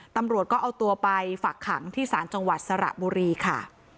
ตำรวจก็เอาตัวไปฝักขังที่ศาลจังหวัดสระบุรีค่ะ